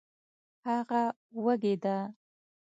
هغه وږې ده